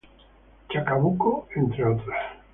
Chacabuco, entre otras.